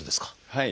はい。